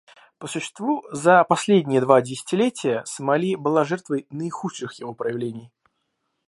По существу за последние два десятилетия Сомали была жертвой наихудших его проявлений.